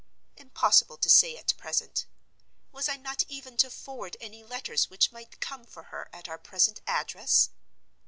Impossible to say at present. Was I not even to forward any letters which might come for her at our present address?